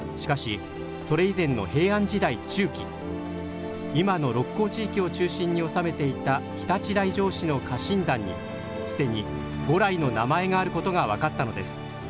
しかし、それ以前の平安時代中期今の鹿行地域を中心に治めていた常陸大掾氏の家臣団にすでに五来の名前があることが分かったのです。